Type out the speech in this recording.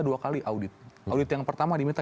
dua kali audit audit yang pertama diminta